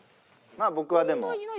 まあ僕はでも。